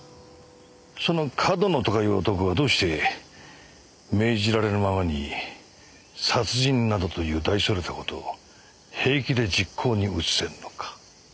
その上遠野とかいう男はどうして命じられるままに殺人などという大それた事を平気で実行に移せるのか。